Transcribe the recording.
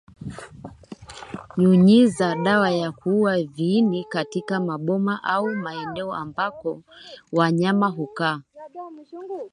Nyunyiza dawa ya kuua viini katika maboma au maeneo ambako wanyama hukaa